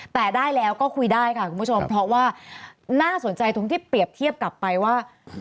แต่ได้แล้วก็คุยได้ค่ะคุณผู้ชมเพราะว่าน่าสนใจตรงที่เปรียบเทียบกลับไปว่า